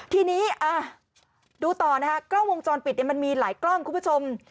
ทีนี้ดูต่อนะคะกล้องวงจรปิดมันมีหลายกล้องคุณผู้ชม